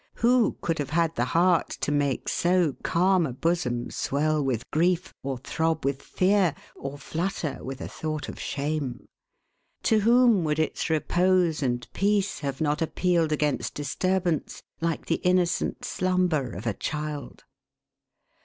Who could have had the heart to make so calm, a bosom swell with grief, or throb with fear, or flutter with a thought of shame ! To whom would its repose and peace have not appealed against disturbance, like the innocent slumber of a child